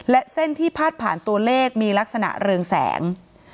และเส้นที่พาดผ่านตัวเลขมีลักษณะเรืองแสง